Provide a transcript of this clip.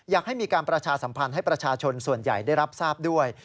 อยากให้มีการประชาสัมพันธ์ให้ประชาชนส่วนใหญ่ได้รับทราบด้วย